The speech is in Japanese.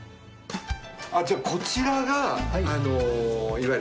じゃあこちらがいわゆる今回。